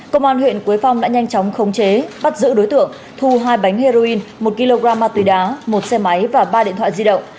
công an huyện quế phong đã nhanh chóng khống chế bắt giữ đối tượng thu hai bánh heroin một kg ma túy đá một xe máy và ba điện thoại di động